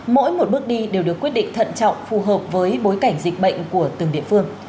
mỗi một bước đi đều được quyết định thận trọng phù hợp với bối cảnh dịch bệnh của từng địa phương